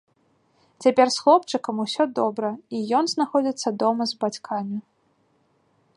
Цяпер з хлопчыкам усё добра і ён знаходзіцца дома з бацькамі.